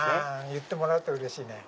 言ってもらえるとうれしいね。